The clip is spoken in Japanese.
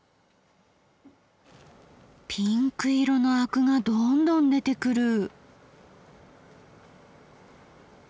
ピンク色のアクがどんどん出てくる。